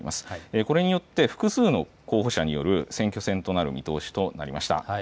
これによって複数の候補者による選挙戦となる見通しとなりました。